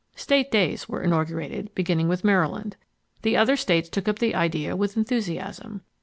State days were inaugurated, beginning with Maryland. The other states took up the idea with enthusiasm.